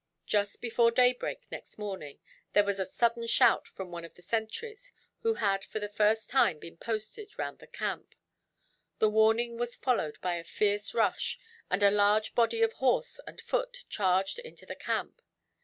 Just before daybreak, next morning, there was a sudden shout from one of the sentries; who had for the first time been posted round the camp. The warning was followed by a fierce rush, and a large body of horse and foot charged into the camp.